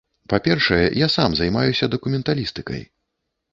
Па-першае, я сам займаюся дакументалістыкай.